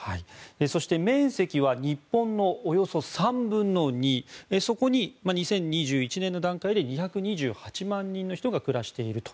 そして、面積は日本のおよそ３分の２そこに２０２１年の段階で２２８万人の人が暮らしていると。